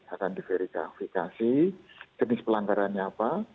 akan diverifikasi jenis pelanggarannya apa